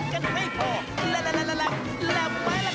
โอ้โฮ